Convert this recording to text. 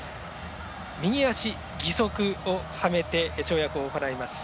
右足義足をはめて跳躍を行います。